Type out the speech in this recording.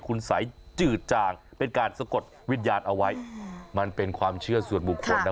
คุณสัยจืดจางเป็นการสะกดวิญญาณเอาไว้มันเป็นความเชื่อส่วนบุคคลนะ